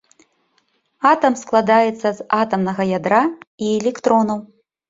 Атам складаецца з атамнага ядра і электронаў.